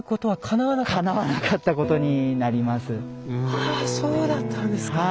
ああそうだったんですか。